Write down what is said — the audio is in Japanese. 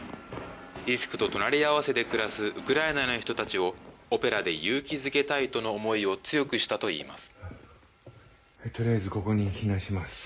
リスクと隣り合わせで暮らすウクライナの人たちを、オペラで勇気づけたいとの思いを強くしたといいます。